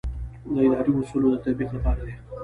دا د اداري اصولو د تطبیق لپاره دی.